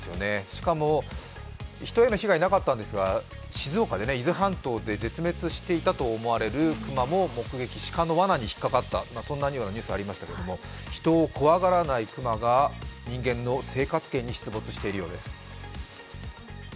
しかも、人への被害はなかったんですが、静岡、伊豆半島で絶滅していたといわれていた熊も目撃、鹿のわなに引っかかった、そんなニュースありましたけれども、人を怖がらない熊が人間の生活圏に出没しているようです。